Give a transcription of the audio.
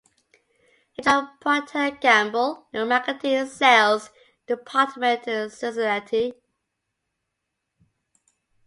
He joined Procter and Gamble in the marketing and sales department in Cincinnati.